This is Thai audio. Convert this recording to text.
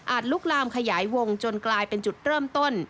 ลุกลามขยายวงจนกลายเป็นจุดเริ่มต้น